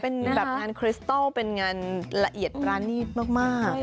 เป็นแบบงานคริสตัลเป็นงานละเอียดปรานีตมาก